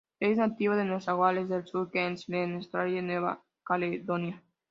Es nativo de Nueva Gales del Sur y Queensland en Australia y Nueva Caledonia.